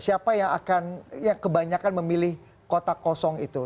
siapa yang akan yang kebanyakan memilih kota kosong itu